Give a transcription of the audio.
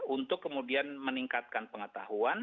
untuk kemudian meningkatkan pengetahuan